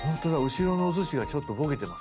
後ろのおすしがちょっとボケてます。